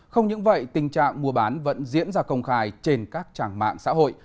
không những vậy tình trạng mua bán vẫn diễn ra công khai trên các trang mạng xã hội